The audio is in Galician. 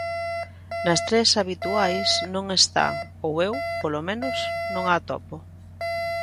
Nas tres habituais non está ou eu, polo menos, non a atopo.